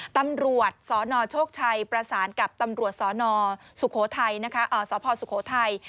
ตำรวจสนโชคชัยประสานกับตำรวจสพสุโขทัย